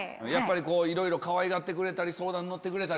いろいろかわいがってくれたり相談に乗ってくれたり。